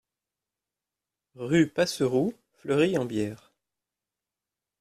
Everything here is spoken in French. Rue Passeroux, Fleury-en-Bière